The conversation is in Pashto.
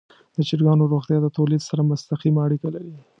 د چرګانو روغتیا د تولید سره مستقیمه اړیکه لري.